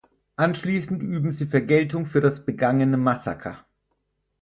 Anschließend üben sie Vergeltung für das begangene Massaker.